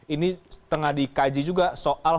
ini setengah dikaji juga soal